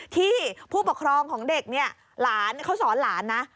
ที่ผู้ปกครองของเด็กนี่เขาสอนหลานนะ